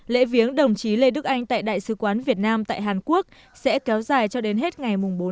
lễ viếng đồng chí lê đức anh tại đại sứ quán việt nam tại hàn quốc sẽ kéo dài cho đến hết ngày bốn